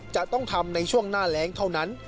จะต้องทำในช่วงหน้าแรงเท่านั้น